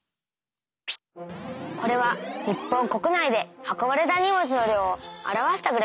これは日本国内で運ばれた荷物の量を表したグラフだよ。